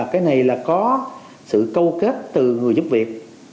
cái này là có sự câu kết từ người giúp việc